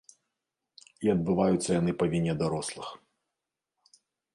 І адбываюцца яны па віне дарослых.